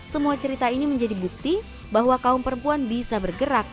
semua cerita ini menjadi bukti bahwa kaum perempuan bisa bergerak